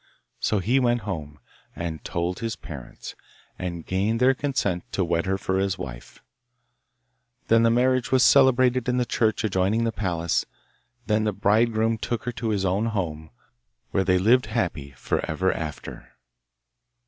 So he went home and told his parents, and gained their consent to wed her for his wife. Then the marriage was celebrated in the church adjoining the palace. Then the bridegroom took her to his own home, where they lived happy for ever after.